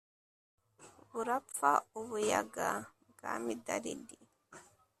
burapfa u buyaga bwa midalidi